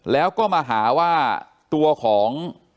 แล้วก็มาหาว่าตัวของ